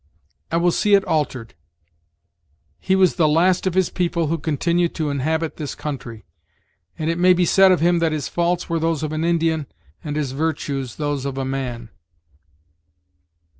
"I will see it altered. 'He was the last of his people who continued to inhabit this country; and it may be said of him that his faults were those of an Indian, and his virtues those of a man.'"